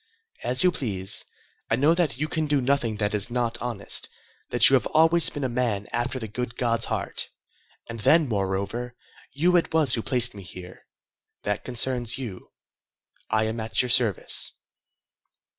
"As you please. I know that you can do nothing that is not honest, that you have always been a man after the good God's heart. And then, moreover, you it was who placed me here. That concerns you. I am at your service."